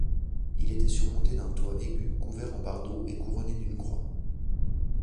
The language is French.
Il était surmonté d'un toit aigu, couvert en bardeaux, et couronné d'une croix.